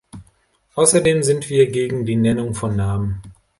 Außerdem sind wir gegen die Nennung von Namen.